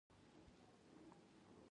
زرخم خو لېرې دی ګلداد ماما.